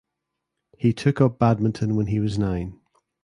He took up badminton when he was nine.